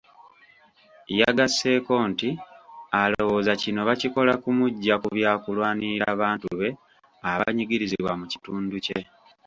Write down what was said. Yagasseeko nti alowooza kino bakikola kumuggya ku byakulwanirira bantu be abanyigirizibwa mu kitundu kye.